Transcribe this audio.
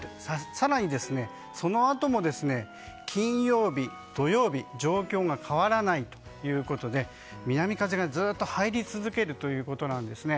更に、そのあとも金曜日、土曜日状況が変わらないということで南風がずっと入り続けるんですね。